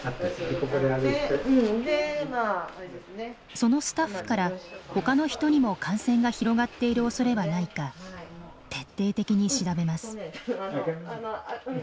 そのスタッフからほかの人にも感染が広がっているおそれはないか徹底的に調べます。